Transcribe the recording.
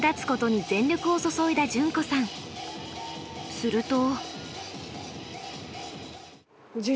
すると。